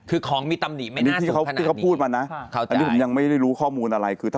คือของมีตำหนิไม่น่าสูงขนาดนี้นี่ที่เขาพูดมานะอันนี้ผมยังไม่รู้ข้อมูลอะไร